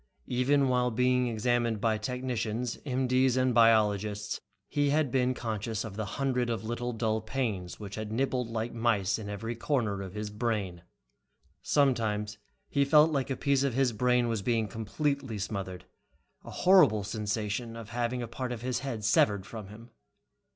Even while being examined by technicians, M.D.'s and biologists, he had been conscious of the hundreds of little dull pains which had nibbled like mice in every corner of his brain. Sometimes he felt like a piece of his brain was being completely smothered, a horrible sensation of having a part of his head severed from him.